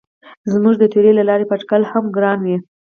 زموږ د تیورۍ له لارې به اټکل هم ګران وي.